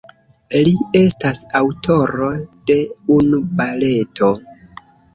Li estas aŭtoro de unu baleto.